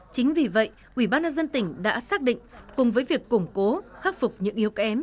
chính vì vậy ubnd tỉnh đã xác định cùng với việc củng cố khắc phục những yếu kém